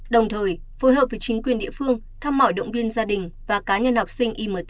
đồng thời phối hợp với chính quyền địa phương thăm mỏi động viên gia đình và cá nhân học sinh imt